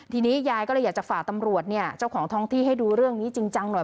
ทีนี้ยายก็เลยอยากจะฝากตำรวจเนี่ยเจ้าของท้องที่ให้ดูเรื่องนี้จริงจังหน่อย